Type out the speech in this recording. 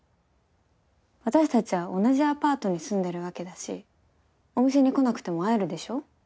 私たちは同じアパートに住んでるわけだしお店に来なくても会えるでしょ？